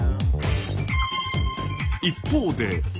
一方で。